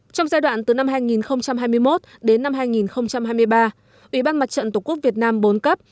trong giai đoạn từ năm hai nghìn hai mươi một đến năm hai nghìn hai mươi ba ủy ban mặt trận tổ quốc việt nam bốn cấp